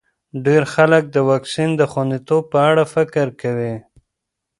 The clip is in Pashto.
ډېر خلک د واکسین د خونديتوب په اړه فکر کوي.